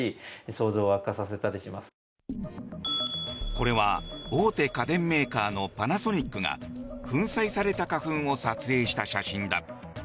これは大手家電メーカーのパナソニックが粉砕された花粉を撮影した写真だ。